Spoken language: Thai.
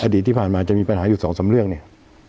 ที่ผ่านมาจะมีปัญหาอยู่สองสามเรื่องเนี่ย